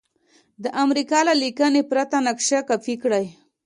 د امریکا له لیکنې پرته نقشه کاپي کړئ.